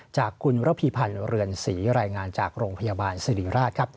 จากคุณระพีพันธ์เรือนศรีรายงานจากโรงพยาบาลสิริราชครับ